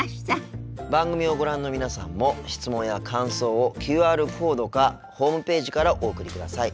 番組をご覧の皆さんも質問や感想をＱＲコードかホームページからお送りください。